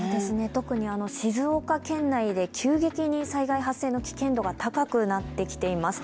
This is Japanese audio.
特に静岡県内で、急激に災害発生の危険度が高くなってきています。